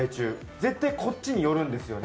絶対こっちに寄るんですよね。